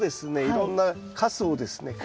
いろんなかすをですね